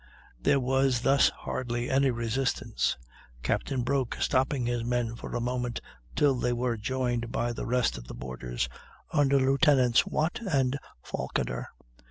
There was thus hardly any resistance, Captain Broke stopping his men for a moment till they were joined by the rest of the boarders under Lieutenants Watt and Falkiner.